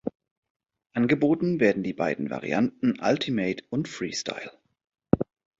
Angeboten werden die beiden Varianten Ultimate und Freestyle.